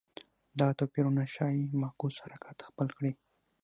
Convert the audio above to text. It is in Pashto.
دا توپیرونه ښايي معکوس حرکت خپل کړي